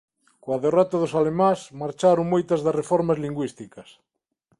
Coa derrota dos alemáns marcharon moitas das reformas lingüísticas.